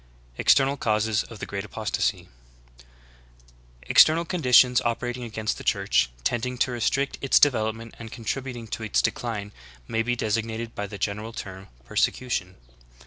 EXTERNAL CAUSES OF THE GREAT APOSTASY. 3. External conditions operating against the Church, tending to restrict its development and contributing to its decline may be designated by the general term, persecution.